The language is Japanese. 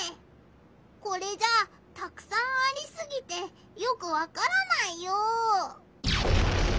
これじゃたくさんありすぎてよくわからないよ！